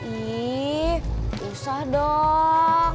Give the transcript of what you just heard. ih usah dong